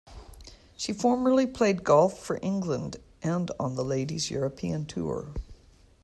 She formerly played golf for England and on the Ladies European Tour.